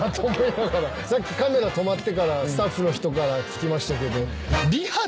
さっきカメラ止まってからスタッフの人から聞きましたけど。